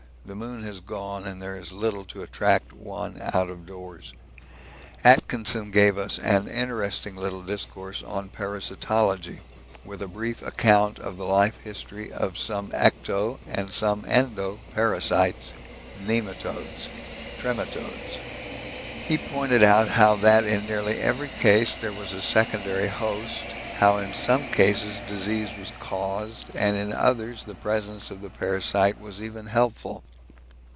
The moon has gone and there is little to attract one out of doors. Atkinson gave us an interesting little discourse on parasitology, with a brief account of the life history of some ecto and some endo parasites Nematodes, Trematodes. He pointed out how that in nearly every case there was a secondary host, how in some cases disease was caused, and in others the presence of the parasite was even helpful.